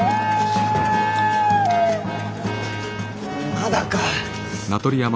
まだか！